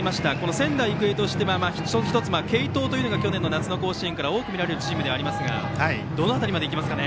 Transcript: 仙台育英としては１つ継投というのが去年の夏の甲子園から多く見られるチームでありましたがどの辺りまでいきますか。